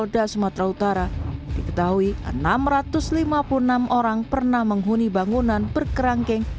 diketahui enam ratus lima puluh enam orang pernah menghuni bangunan berkerangkeng